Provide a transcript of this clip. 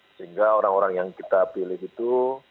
sehingga orang orang yang kita pilih itu